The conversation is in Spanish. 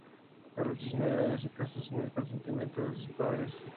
A los diecinueve años se casó, sin el consentimiento de sus padres.